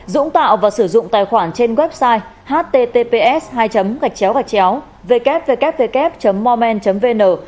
dũng tạo và sử dụng tài khoản trên website https hai xxxx www moreman vn